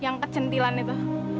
yang kecentilan itu